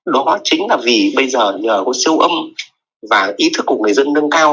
đó chính là vì bây giờ nhờ có siêu âm và ý thức của người dân nâng cao